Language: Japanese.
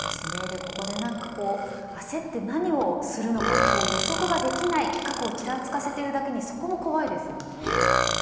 ここで焦って何をするのか予測ができない過去をちらつかせているだけにそこも怖いですね。